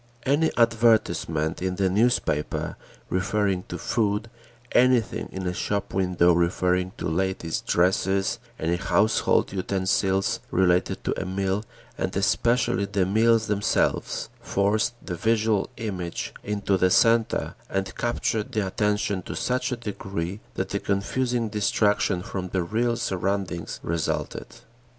Any advertisement in the newspaper referring to food, anything in a shop window referring to ladies' dresses, any household utensils related to a meal, and especially the meals themselves, forced the visual image into the centre and captured the attention to such a degree that a confusing distraction from the real surroundings resulted.